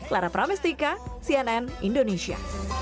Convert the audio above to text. lara pramestika cnn indonesia